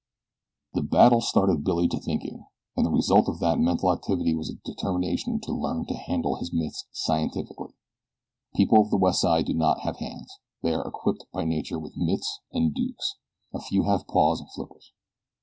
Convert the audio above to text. That battle started Billy to thinking, and the result of that mental activity was a determination to learn to handle his mitts scientifically people of the West Side do not have hands; they are equipped by Nature with mitts and dukes. A few have paws and flippers.